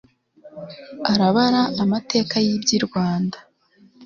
arabara amateka y'iby'i rwanda